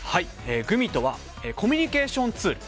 グミとはコミュニケーションツール。